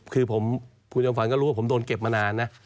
คือคุณจอมฝันก็รู้ว่าผมโดนเก็บมานานนะ